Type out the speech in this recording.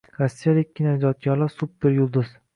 Rossiyalik kinoijodkorlar super yulduz